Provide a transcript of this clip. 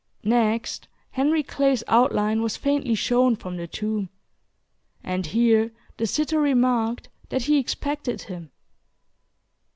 Next Henry Clay's outline was faintly shown from the tomb, and here the sitter remarked that he expected him.